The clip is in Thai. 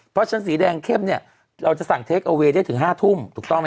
เพราะฉะนั้นสีแดงเข้มที่กินข้าวได้ถึง๓ทุ่ม